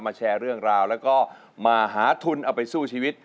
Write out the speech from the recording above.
แชร์เรื่องราวแล้วก็มาหาทุนเอาไปสู้ชีวิต